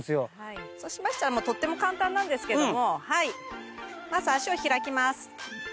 そうしましたらとっても簡単なんですけどもまず足を開きます。